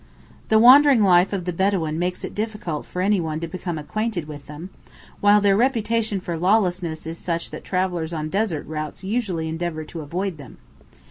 ] The wandering life of the Bedawīn makes it difficult for anyone to become acquainted with them, while their reputation for lawlessness is such that travellers on desert routes usually endeavour to avoid them.